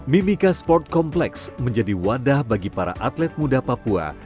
mimika sport complex menjadi wadah bagi para atlet muda papua